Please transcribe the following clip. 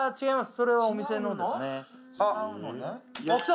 それはお店のですねきた！